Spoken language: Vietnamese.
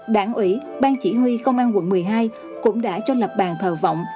đảng ủy bang chỉ huy công an quận một mươi hai cũng đã cho lập bàn thờ vọng